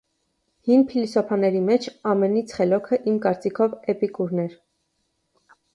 Հին փիլիսոփաների մեջ ամենից խելոքը, իմ կարծիքով, Էպիկուրն էր.